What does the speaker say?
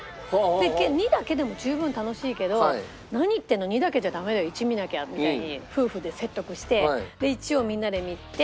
２だけでも十分楽しいけど何言ってるの２だけじゃダメだよ１見なきゃみたいに夫婦で説得して１をみんなで見て。